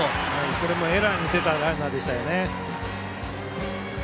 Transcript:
これもエラーで出たランナーでしたね。